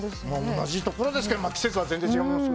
同じところですけど季節は全然違います。